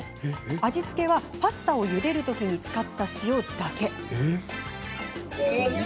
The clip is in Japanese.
味付けはパスタをゆでるときに使った塩だけ。